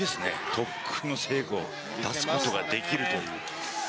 特訓の成果を出すことができるという。